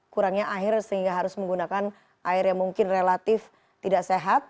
kurangnya air sehingga harus menggunakan air yang mungkin relatif tidak sehat